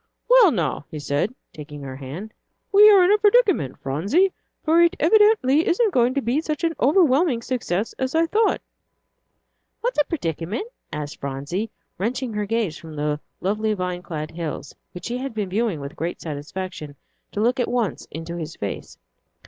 "Well, now," he said, taking her hand, "we are in a predicament, Phronsie, for it evidently isn't going to be such an overwhelming success as I thought." "What is a predicament?" asked Phronsie, wrenching her gaze from the lovely vine clad hills, which she had been viewing with great satisfaction, to look at once into his face.